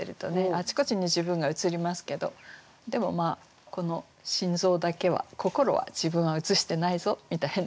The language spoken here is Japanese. あちこちに自分が映りますけどでもまあこの心臓だけは心は自分は映してないぞみたいな。